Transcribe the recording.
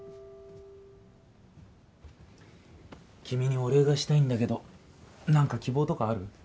君にお礼がしたいんだけど何か希望とかある？